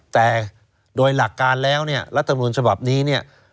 แต่โดยหลักการแล้วรัฐมนุนฉบับนี้